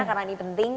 karena ini penting